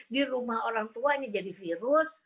di rumah orang tua ini jadi virus